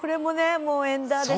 そうエンダーです。